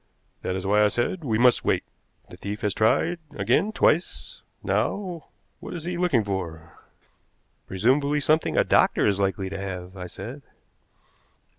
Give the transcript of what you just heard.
That is why I said we must wait. The thief has tried again twice. Now, what is he looking for?" "Presumably something a doctor is likely to have," I said.